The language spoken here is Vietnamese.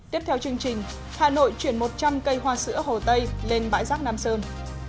tiếp theo chương trình hà nội chuyển một trăm linh cây hoa sữa hồ tây lên bãi rác nam sơn